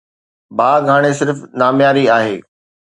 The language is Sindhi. باغ هاڻي صرف نامياري آهي.